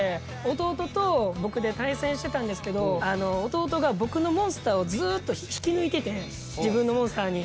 弟と僕で対戦してたんですけど弟が僕のモンスターをずっと引き抜いてて自分のモンスターに。